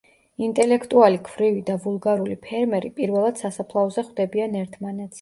ინტელექტუალი ქვრივი და ვულგარული ფერმერი პირველად სასაფლაოზე ხვდებიან ერთმანეთს.